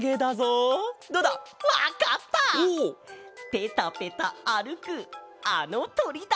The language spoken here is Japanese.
ペタペタあるくあのとりだ！